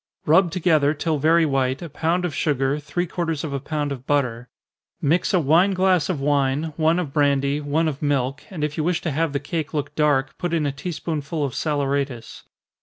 _ Rub together, till very white, a pound of sugar, three quarters of a pound of butter. Mix a wine glass of wine, one of brandy, one of milk, and if you wish to have the cake look dark, put in a tea spoonful of saleratus.